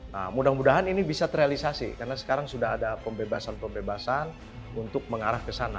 nah mudah mudahan ini bisa terrealisasi karena sekarang sudah ada pembebasan pembebasan untuk mengarah ke sana